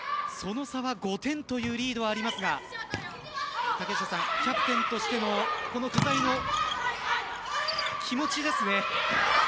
その差は５点というリードがありますがキャプテン不在の気持ちですね。